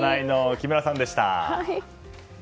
木村さんでした。